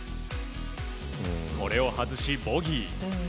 これを外し、ボギー。